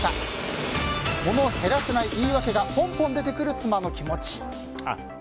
モノを減らせない言い訳がポンポン出てくる妻の気持ち。